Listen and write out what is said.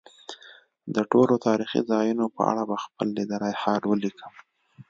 د ټولو تاریخي ځایونو په اړه به خپل لیدلی حال ولیکم.